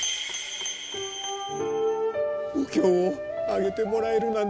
お経をあげてもらえるなんて。